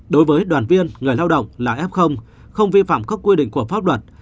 đối với đoàn viên người lao động là f không vi phạm các quy định của pháp luật